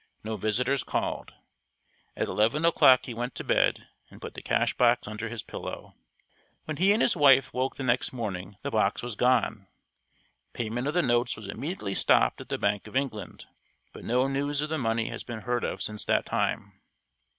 No visitors called. At eleven o'clock he went to bed, and put the cash box under his pillow. When he and his wife woke the next morning the box was gone. Payment of the notes was immediately stopped at the Bank of England, but no news of the money has been heard of since that time.